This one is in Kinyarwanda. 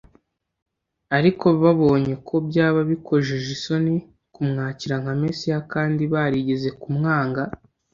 Ariko babonye ko byaba bikojeje isoni kumwakira nka Mesiya, kandi barigeze kumwanga.